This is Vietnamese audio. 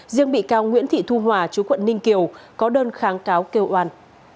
riêng bị cáo nguyễn thị thu hòa chú quận ninh kiều có đơn kháng cáo kêu oan